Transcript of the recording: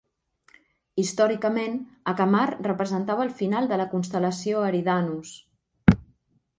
Històricament, Acamar representava el final de la constel·lació Eridanus.